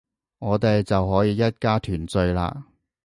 我哋就可以一家團聚喇